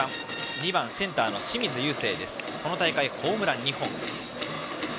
２番センターの清水友惺この大会、ホームラン２本。